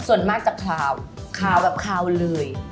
ส่วนมากจะขาวขาวแบบขาวเหลื่ย